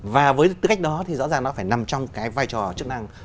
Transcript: và với tư cách đó thì rõ ràng nó phải nằm trong cái vai trò chức năng